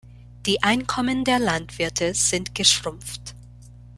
Die Einkommen der Landwirte sind geschrumpft.